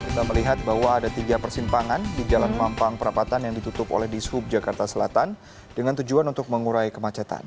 kita melihat bahwa ada tiga persimpangan di jalan mampang perapatan yang ditutup oleh dishub jakarta selatan dengan tujuan untuk mengurai kemacetan